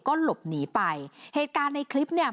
ก็หลบหนีไปเหตุการณ์ในคลิปเนี่ย